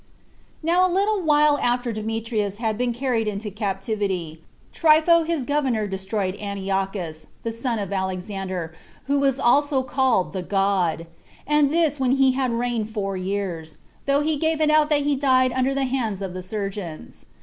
1. 15 Now a little while after Demetrius had been carried into captivity, Trypho his governor destroyed Antiochus, 16 the son of Alexander, who was also called The God, 17 and this when he had reigned four years, though he gave it out that he died under the hands of the surgeons.